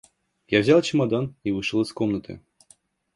Я взял чемодан и вышел из комнаты.